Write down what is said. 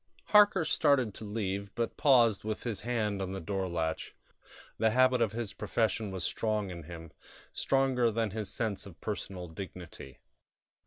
Harker started to leave, but paused, with his hand on the door latch. The habit of his profession was strong in him stronger than his sense of personal dignity.